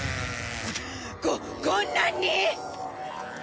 ここんなに！？